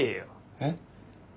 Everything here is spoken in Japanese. えっ？